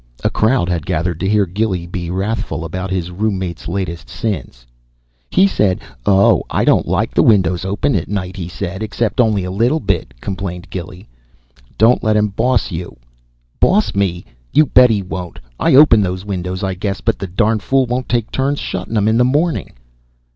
A crowd had gathered to hear Gilly be wrathful about his roommate's latest sins. "He said, 'Oh, I don't like the windows open at night,' he said, 'except only a little bit,'" complained Gilly. "Don't let him boss you." "Boss me? You bet he won't. I open those windows, I guess, but the darn fool won't take turns shuttin' 'em in the morning."